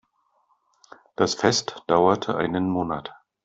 Das Fest dauerte einen Monat.